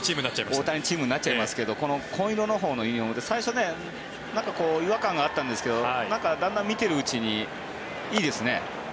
大谷チームになっちゃいますが紺色のほうのユニホームって最初、違和感があったんですけどだんだん見ているうちにいいですね。